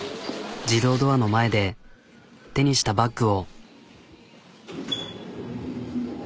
自動ドアの前で手にしたバッグを。